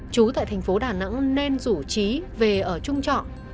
chú tại thành phố đà nẵng nên rủ trí về ở trung trọ